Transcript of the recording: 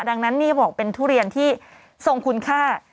ดังนั้นนี่บอกเป็นทุเรียนที่ทรงคุณค่า